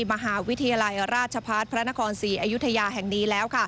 มหาวิทยาลัยราชพัฒน์พระนครศรีอยุธยาแห่งนี้แล้ว